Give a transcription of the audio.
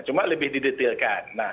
cuma lebih didetilkan